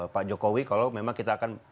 pak jokowi kalau memang kita akan